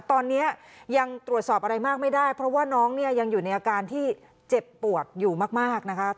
ตอนนี้ยังตรวจสอบอะไรมากไม่ได้เพราะว่าน้องเนี่ยยังอยู่ในอาการที่เจ็บปวดอยู่มากนะคะ